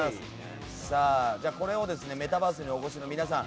これをメタバースにお越しの皆さん